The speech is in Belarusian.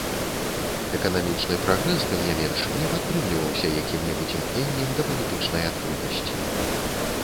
Эканамічны прагрэс, тым не менш, не падтрымліваўся якім-небудзь імкненнем да палітычнай адкрытасці.